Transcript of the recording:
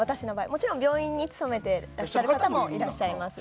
もちろん病院に勤めてらっしゃる方もいらっしゃいます。